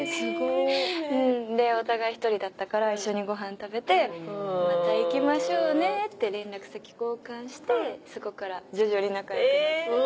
でお互い１人だったから一緒にごはん食べて「また行きましょうね」って連絡先交換してそこから徐々に仲良くなって。